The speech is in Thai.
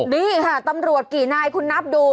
นี่ค่ะตำรวจกี่นายคุณนับดู